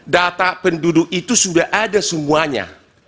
data penduduk itu sudah ada semuanya